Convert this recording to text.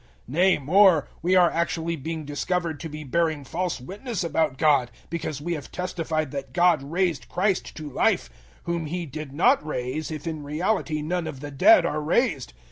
015:015 Nay more, we are actually being discovered to be bearing false witness about God, because we have testified that God raised Christ to life, whom He did not raise, if in reality none of the dead are raised.